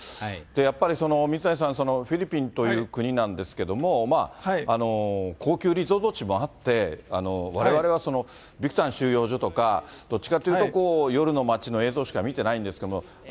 やっぱり水谷さん、フィリピンという国なんですけども、高級リゾート地もあって、われわれはビクタン収容所とか、どっちかっていうと夜の街の映像しか見てないんですけど。